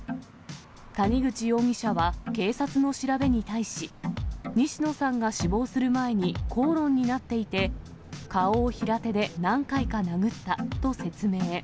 谷口容疑者は警察の調べに対し、西野さんが死亡する前に口論になっていて、顔を平手で何回か殴ったと説明。